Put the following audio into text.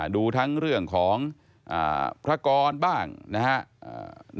ดูทั้งเรื่องของพระกรบ้างนะครับ